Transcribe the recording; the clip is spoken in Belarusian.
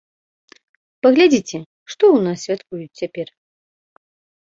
Паглядзіце, што ў нас святкуюць цяпер?